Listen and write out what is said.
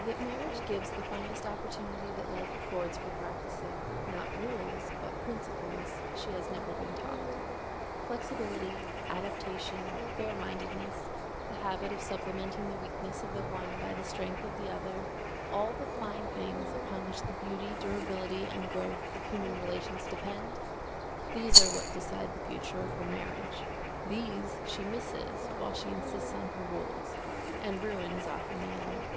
That marriage gives the finest opportunity that life affords for practicing, not rules, but principles, she has never been taught. Flexibility, adaptation, fair mindedness, the habit of supplementing the weakness of the one by the strength of the other, all the fine things upon which the beauty, durability, and growth of human relations depend, these are what decide the future of her marriage. These she misses while she insists on her rules; and ruin is often the end.